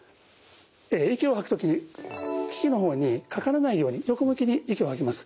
息を吐く時機器の方にかからないように横向きに息を吐きます。